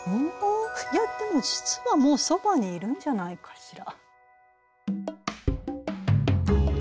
いやでも実はもうそばにいるんじゃないかしら。